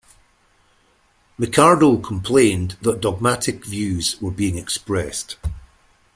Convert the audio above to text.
Mikardo complained that dogmatic views were being expressed.